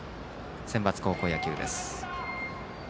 センバツ高校野球です。